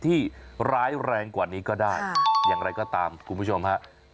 ที่ร้ายแรงกว่านี้ก็ได้อย่างไรก็ตามคุณผู้ชมฮะ